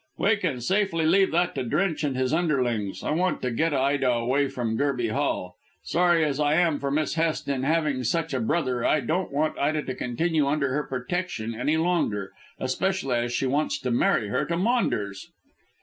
"We can safely leave that to Drench and his underlings. I want to get Ida away from Gerby Hall. Sorry as I am for Miss Hest in having such a brother, I don't want Ida to continue under her protection any longer, especially as she wants to marry her to Maunders."